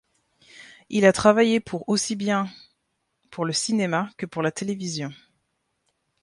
Il a travaillé pour aussi bien pour le cinéma que pour la télévision.